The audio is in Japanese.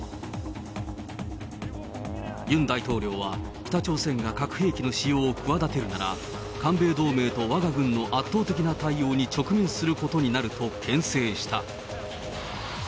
ユン大統領は、北朝鮮が核兵器の使用を企てるなら、韓米同盟とわが軍の圧倒的な対応に直面することになるとけん制した。